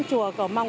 chùa cầu mong